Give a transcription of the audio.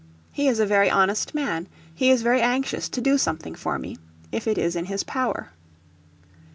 He is a very honest man. ... He is very anxious to do something for me, if it is in his power."